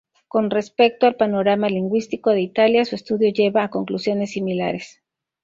Con respecto al panorama lingüístico de Italia, su estudio lleva a conclusiones similares.